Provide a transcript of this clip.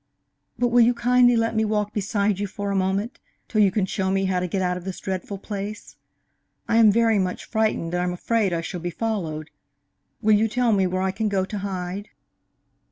"But will you kindly let me walk beside you for a moment, till you can show me how to get out of this dreadful place? I am very much frightened, and I'm afraid I shall be followed. Will you tell me where I can go to hide?"